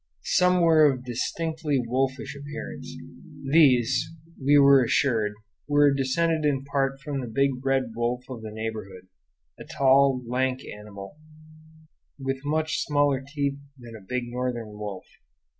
Some were of distinctly wolfish appearance. These, we were assured, were descended in part from the big red wolf of the neighborhood, a tall, lank animal, with much smaller teeth than a big northern wolf.